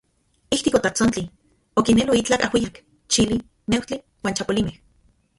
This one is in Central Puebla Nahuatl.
Ijtik otatsontli, okinelo itlaj ajuijyak, chili, neujtli uan chapolimej.